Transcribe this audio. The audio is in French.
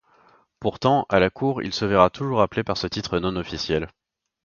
Pourtant, à la cour, il se verra toujours appelé par ce titre non officiel.